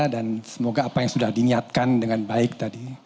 dan semoga apa yang sudah dinyatakan dengan baik tadi